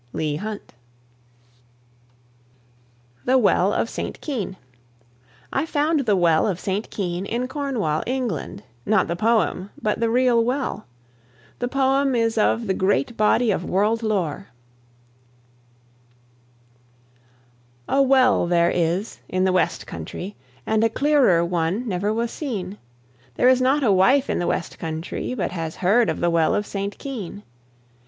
LEIGH HUNT. THE WELL OF ST. KEYNE. I found the Well of St. Keyne in Cornwall, England not the poem, but the real well. The poem is of the great body of world lore. Southey (1774 1843). A well there is in the west country, And a clearer one never was seen; There is not a wife in the west country But has heard of the Well of St. Keyne.